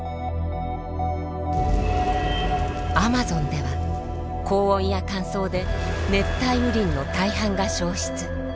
アマゾンでは高温や乾燥で熱帯雨林の大半が消失。